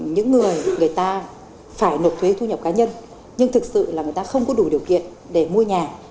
những người người ta phải nộp thuế thu nhập cá nhân nhưng thực sự là người ta không có đủ điều kiện để mua nhà